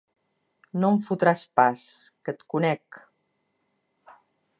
No em fotràs pas, que et conec!